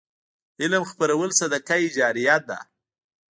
علم خپرول صدقه جاریه ده.